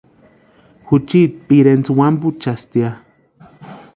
Juchiti pirentsï wampuchastia.